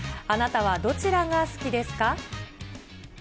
あなたはどちらが好きですか。